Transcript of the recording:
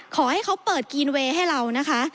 ขอให้เขาเปิดกีนเวย์ให้เรานะคะ